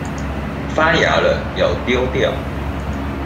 發芽了要丟掉